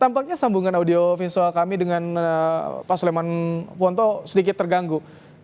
tampaknya sambungan audiovisual kami dengan pak sulaiman wonto sedikit terganggu